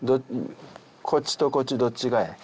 こっちとこっちどっちがええ？